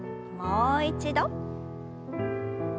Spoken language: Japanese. もう一度。